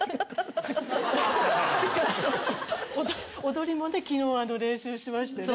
踊りもね昨日練習しましてね。